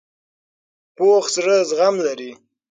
پوخ زړه زغم لري